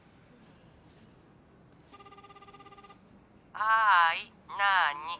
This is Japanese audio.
はいなに？